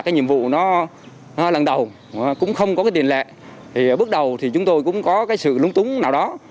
nhiệm vụ lần đầu cũng không có tiền lệ bước đầu chúng tôi cũng có sự lúng túng nào đó